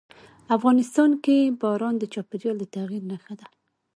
افغانستان کې باران د چاپېریال د تغیر نښه ده.